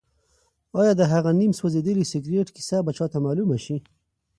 ایا د هغه نیم سوځېدلي سګرټ کیسه به چا ته معلومه شي؟